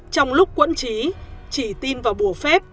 trong lúc quẫn trí chỉ tin vào bùa phép